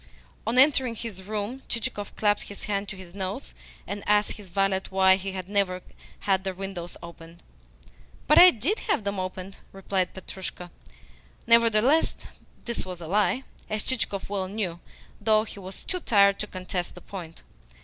On entering his room, Chichikov clapped his hand to his nose, and asked his valet why he had never had the windows opened. "But I did have them opened," replied Petrushka. Nevertheless this was a lie, as Chichikov well knew, though he was too tired to contest the point.